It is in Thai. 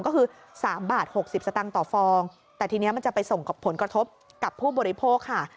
ก็คือ๓บาท๖๐สตางค์ต่อฟองแต่ทีนี้มันจะไปส่งผลกระทบกับผู้บริโภคค่ะ